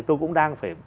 tôi cũng đang phải